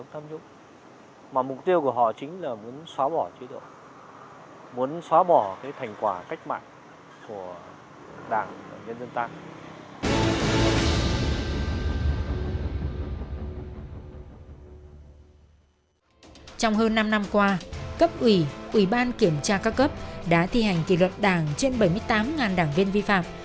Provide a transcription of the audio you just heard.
trong hơn năm năm qua cấp ủy ủy ban kiểm tra ca cấp đã thi hành kỷ luật đảng trên bảy mươi tám đảng viên vi phạm